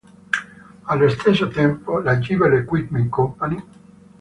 Allo stesso tempo, la Gilbert Equipment Co.